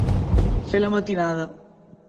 Fer la matinada.